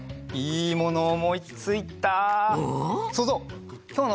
いいものおもいついた！